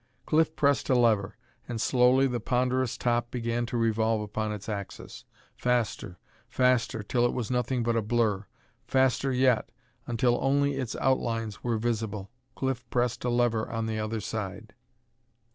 Cliff pressed a lever, and slowly the ponderous top began to revolve upon its axis. Faster, faster, till it was nothing but a blur. Faster yet, until only its outlines were visible. Cliff pressed a lever on the other side.